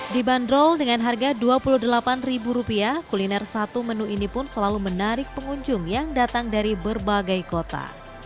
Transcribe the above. dibanderol dengan harga rp dua puluh delapan kuliner satu menu ini pun selalu menarik pengunjung yang datang dari berbagai kota